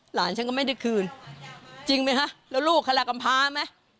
หลานฉันก็ไม่ได้คืนจริงไหมฮะแล้วลูกคลากำพาไหม